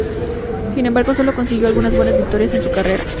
Sin embargo sólo consiguió algunas buenas victorias en su carrera.